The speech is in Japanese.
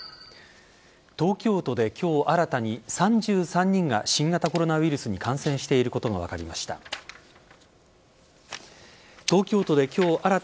東京都で今日新たに３３人が新型コロナウイルスに感染していることが分かりました。